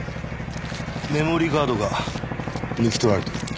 メモリーカードが抜き取られてる。